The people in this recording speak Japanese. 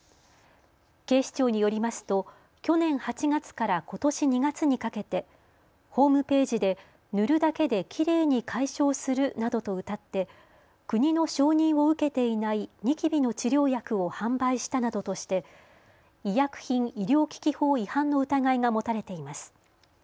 警視庁によりますと去年８月からことし２月にかけてホームページで塗るだけできれいに解消するなどとうたって国の承認を受けていないニキビの治療薬を販売したなどとして医薬品医療機器法違反の疑いが持たれています。